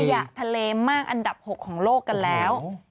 ขยะทะเลมากอันดับ๖ของโลกกันแล้ว